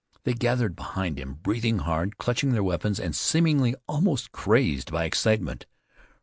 They gathered behind him, breathing hard, clutching their weapons, and seemingly almost crazed by excitement.